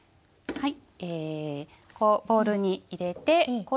はい。